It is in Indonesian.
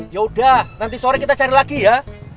yaudah nanti sore kita cari lagi ya